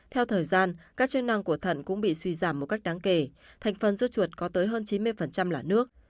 theo thời gian các chức năng của thận cũng bị suy giảm một cách đáng kể thành phần dư chuột có tới hơn chín mươi là nước